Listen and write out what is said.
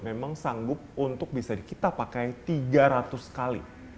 memang sanggup untuk bisa kita pakai tiga ratus kali